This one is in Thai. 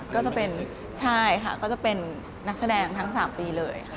ก็จะเป็นใช่ค่ะก็จะเป็นนักแสดงทั้ง๓ปีเลยค่ะ